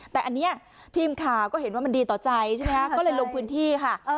แต่อันนี้ทีมข่าวก็เห็นว่ามันดีต่อใจใช่ไหมคะก็เลยลงพื้นที่ค่ะ